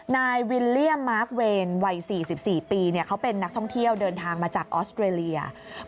นายวิลเลี่ยมมาร์คเวนวัย๔๔ปีเขาเป็นนักท่องเที่ยวเดินทางมาจากออสเตรเลีย